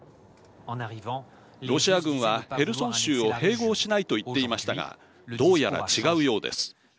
ロシア軍は、ヘルソン州を併合しないと言っていましたがどうやら違うようです。